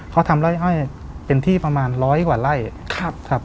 เขาทำไร่อ้อยเป็นที่ประมาณร้อยกว่าไร่ครับ